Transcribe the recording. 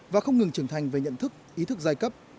và không ngừng trưởng thành về nhận thức ý thức giai cấp